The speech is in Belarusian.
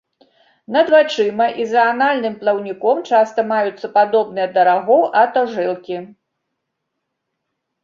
Над вачыма, і за анальным плаўніком часта маюцца падобныя да рагоў атожылкі.